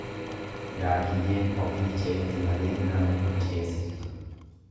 Daakiyyeen ofii ceeti malee nama hin ceesiftu.